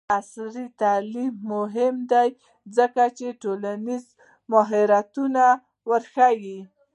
عصري تعلیم مهم دی ځکه چې ټولنیز مهارتونه ورښيي.